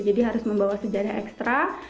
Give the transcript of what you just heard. jadi harus membawa sejadah ekstra